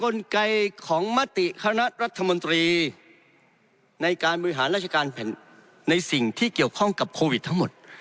ในการบริหารราชการในสิ่งที่เกี่ยวข้องกับโควิดทั้งหมด